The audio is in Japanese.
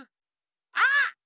あっ！